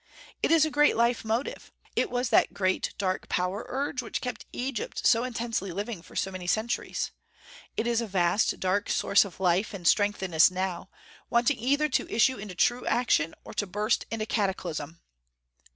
It is a great life motive. It was that great dark power urge which kept Egypt so intensely living for so many centuries. It is a vast dark source of life and strength in us now, waiting either to issue into true action, or to burst into cataclysm.